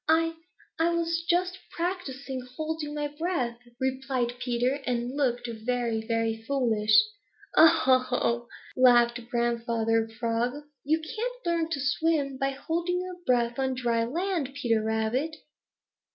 "I I was just practising holding my breath," replied Peter and looked very, very foolish. "Ho, ho, ho! Ha, ha, ha!" laughed Grandfather Frog. "You can't learn to swim by holding your breath on dry land, Peter Rabbit."